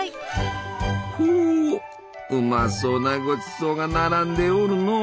ほううまそうなごちそうが並んでおるのう！